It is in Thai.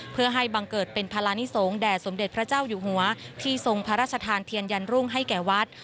เพื่อให้บังเกิดเป็นภาระนิสงฆ์แด่สมเด็จพระเจ้าอยู่หัวที่ทรงพระราชทานเทียนยันรุ่งให้แก่วัด